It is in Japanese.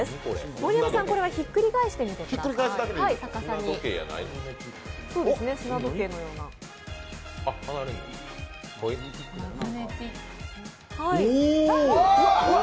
盛山さんひっくり返してみてください。